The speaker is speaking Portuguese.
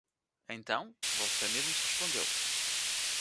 Então, você mesmo se respondeu